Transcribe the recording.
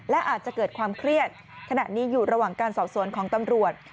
และอาจจะเกิดความเครียดขณะนี้อยู่ระหว่างการสอบสวนของตำรวจ